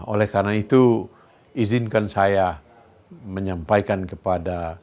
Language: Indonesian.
oleh karena itu izinkan saya menyampaikan kepada